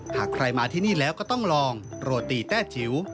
หากใครมาที่นี่แล้วก็ต้องลองโรตีแต้จิ๋ว